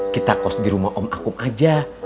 kita cost di rumah om akum aja